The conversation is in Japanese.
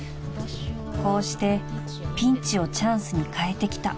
［こうしてピンチをチャンスに変えてきた］